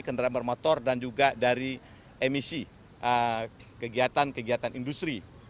kendaraan bermotor dan juga dari emisi kegiatan kegiatan industri